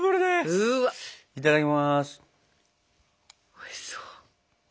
おいしそう。